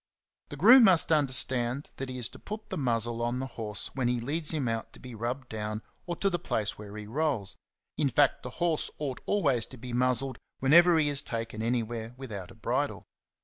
The groom must understand that he is to put the muzzle ^^ on the horse when he leads him out to be rubbed down or to the place where he rolls ;^^ in fact, the horse ought always to be muzzled whenever he is taken anywhere without a bridle.